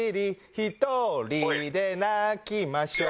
「独りで泣きましょう」